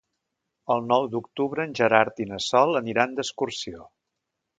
El nou d'octubre en Gerard i na Sol aniran d'excursió.